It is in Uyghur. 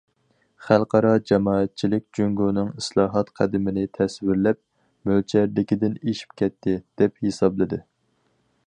خەلقئارا جامائەتچىلىك جۇڭگونىڭ ئىسلاھات قەدىمىنى تەسۋىرلەپ،« مۆلچەردىكىدىن ئېشىپ كەتتى»، دەپ ھېسابلىدى.